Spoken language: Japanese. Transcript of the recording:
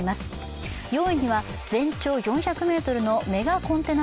４位には全長４００ｍのメガコンテナ